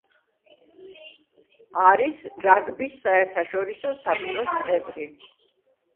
არის რაგბის საერთაშორისო საბჭოს წევრი.